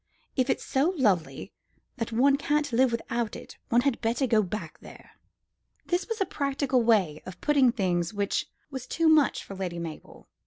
If it's so lovely that one can't live without it, one had better go back there." This was a practical way of putting things which was too much for Lady Mabel.